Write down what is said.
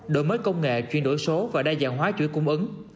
đổi mới công nghệ chuyên đổi số và đa dạng hóa chuyên cung ứng